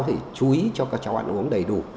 phải chú ý cho các cháu ăn uống đầy đủ